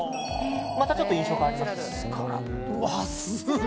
またちょっと印象変わりました。